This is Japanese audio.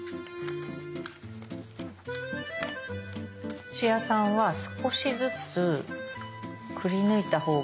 土屋さんは少しずつくりぬいたほうが。